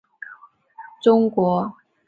鞍山西站位于中国辽宁省鞍山市千山区。